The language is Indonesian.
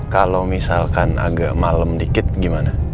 kalau misalkan agak malam dikit gimana